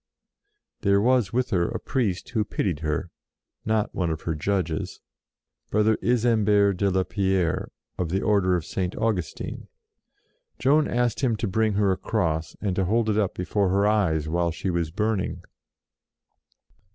There was with her a priest who pitied her, not one of her Judges Brother Isam bert de la Pierre, of the order of St. Augustine. Joan asked him to bring her a cross, and to hold it up before her eyes while she was burning.